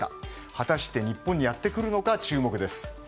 果たして日本にやってくるのか注目です。